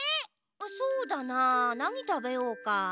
そうだななにたべようか？